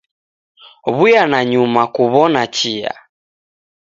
W'uya nanyuma kuw'ona chia.